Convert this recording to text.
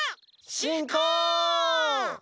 しんこう！